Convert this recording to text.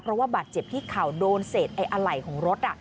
เพราะว่าบาดเจ็บที่เข่าโดนเศษไอ้อะไหล่ของรถ